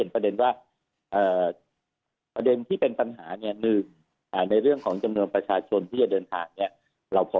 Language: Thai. ประเด็นปัญหาทางจำนวนประชาชนที่จะเดินทาง